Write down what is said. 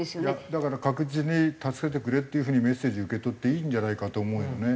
だから確実に助けてくれっていう風にメッセージ受け取っていいんじゃないかと思うよね。